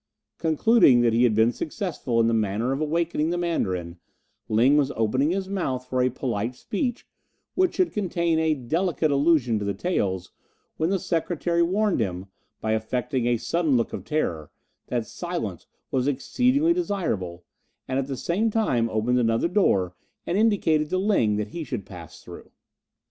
Concluding that he had been successful in the manner of awakening the Mandarin, Ling was opening his mouth for a polite speech, which should contain a delicate allusion to the taels, when the secretary warned him, by affecting a sudden look of terror, that silence was exceedingly desirable, and at the same time opened another door and indicated to Ling that he should pass through.